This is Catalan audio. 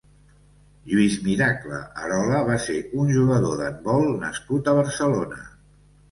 Lluís Miracle Arola va ser un jugador d'handbol nascut a Barcelona.